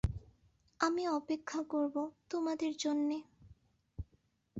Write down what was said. আমি অপেক্ষা করব তোমাদের জন্যে।